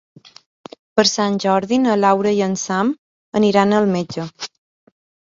Per Sant Jordi na Laura i en Sam aniran al metge.